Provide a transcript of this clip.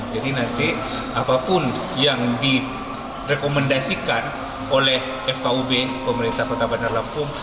jadi nanti apapun yang direkomendasikan oleh fkub pemerintah kota bandar lampung